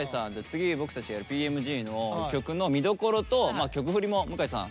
次僕たちがやる「Ｐ．Ｍ．Ｇ．」の曲の見どころと曲ふりも向井さん